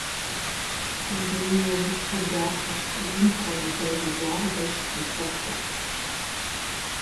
Зыми емыщхьу дахэщ, зым хуэмыдэжу уардэщ ди хэкур.